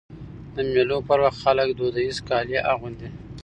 د مېلو پر وخت خلک دودیز کالي اغوندي.